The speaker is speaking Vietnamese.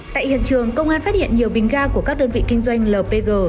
tại hiện trường công an phát hiện nhiều bình ga của các đơn vị kinh doanh lpg